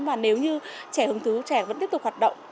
và nếu như trẻ hứng thứ trẻ vẫn tiếp tục hoạt động